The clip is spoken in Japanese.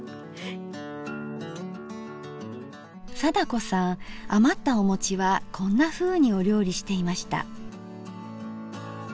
貞子さん余ったお餅はこんなふうにお料理していました。